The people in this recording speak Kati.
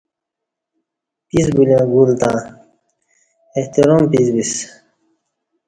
پیس بولیں گول تاں احترام پیس بیسہ